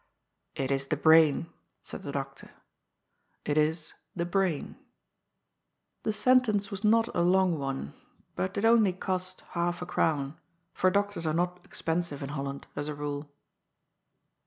" It is the brain," said the doctor. " It is the brain." The sentence was not a long one, but it only cost half a crown, for doctors are not expensive in Holland, as a rule.